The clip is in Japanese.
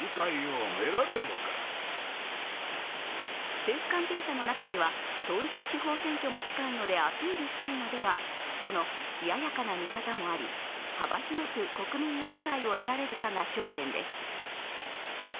政府関係者の中には統一地方選挙も近いのでアピールしたいのではとの冷ややかな見方もあり、幅広く国民の理解が得られるかが焦点です。